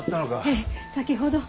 ええ先ほど。